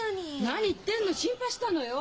何言ってるの心配したのよ！？